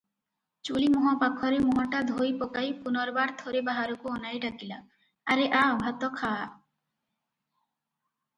ଚୁଲିମୁହଁ ପାଖରେ ମୁହଁଟା ଧୋଇପକାଇ ପୁନର୍ବାର ଥରେ ବାହାରକୁ ଅନାଇ ଡାକିଲା, "ଆରେ ଆ, ଭାତ ଖାଆ ।"